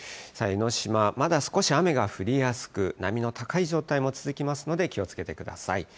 江の島、まだ少し雨が降りやすく、波の高い状態も続きますので、気をつけてください。